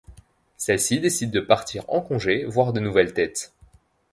Celle-ci décide de partir en congé voir de nouvelles têtes.